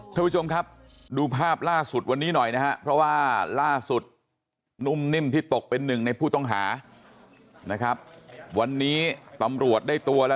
ท่านผู้ชมครับดูภาพล่าสุดวันนี้หน่อยนะครับเพราะว่าล่าสุดนุ่มนิ่มที่ตกเป็นหนึ่งในผู้ต้องหานะครับวันนี้ตำรวจได้ตัวแล้ว